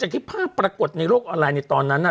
ที่พระปรากฏในโลกอะไรตอนนั้นน่ะ